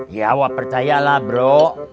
iya wah percaya lah bro